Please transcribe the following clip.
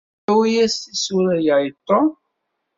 Awi-yas tisura-ya i Tom.